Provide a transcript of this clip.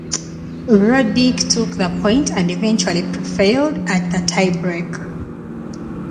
Roddick took the point and eventually prevailed in the tiebreak.